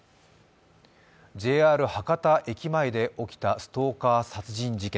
ＪＲ博多駅前で起きたストーカー殺人事件。